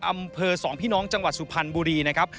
อำเภอสองพี่น้องจังหวัดสุพรรณบุรีนะครับ